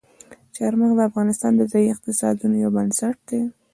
چار مغز د افغانستان د ځایي اقتصادونو یو بنسټ دی.